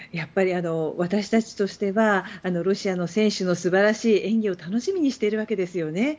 私たちとしてはロシアの選手の素晴らしい演技を楽しみにしてるわけですよね。